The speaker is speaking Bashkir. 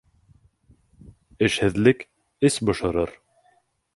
Эшһеҙлек эс бошорор.